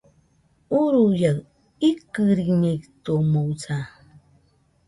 Uruia, ikɨriñeitɨomoɨsa